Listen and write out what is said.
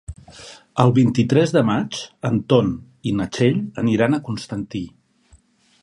El vint-i-tres de maig en Ton i na Txell aniran a Constantí.